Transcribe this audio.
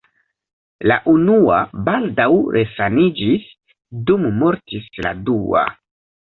La unua baldaŭ resaniĝis, dum mortis la dua.